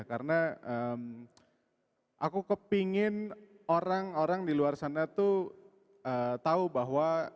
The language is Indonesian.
karena aku kepengen orang orang di luar sana tuh tahu bahwa